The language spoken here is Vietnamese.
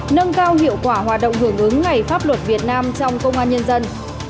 nâng cao hiệu quả hoạt động hưởng ứng ngày pháp luật việt nam trong công an nhân dân